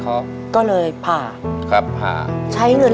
และส่งมาเอ็ดแวน